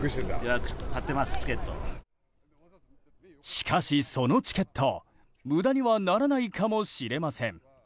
しかし、そのチケット無駄にはならないかもしれません。